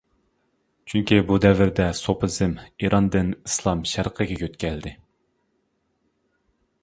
چۈنكى بۇ دەۋردە سوپىزم ئىراندىن ئىسلام شەرقىگە يۆتكەلدى.